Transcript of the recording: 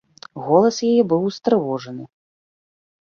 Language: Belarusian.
Голас яе быў устрывожаны.